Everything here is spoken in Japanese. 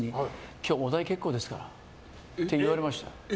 今日、お代結構ですからって言われました。